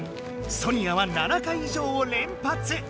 ソニアは７回以上をれんぱつ。